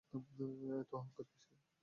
এত অহংকার কিসের?